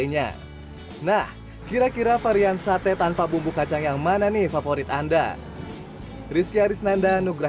nya nah kira kira varian sate tanpa bumbu kacang yang mana nih favorit anda rizky arisnanda nugra